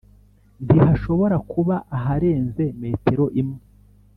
ntihashobora kuba aharenze metero imwe.